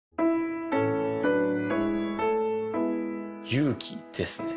勇気ですね